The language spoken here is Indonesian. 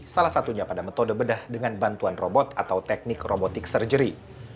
salah satunya pada metode bedah dengan bantuan robot atau teknik robotic surgery